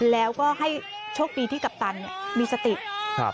แล้วก็ให้โชคดีที่กัปตันมีสติด